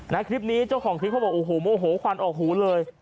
คลิปนี้เจ้าของคลิปเขาบอกโอ้โหโมโหควันออกหูเลย